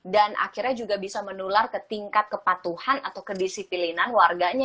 dan akhirnya juga bisa menular ke tingkat kepatuhan atau kedisiplinan warganya